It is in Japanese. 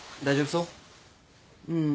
大丈夫そう？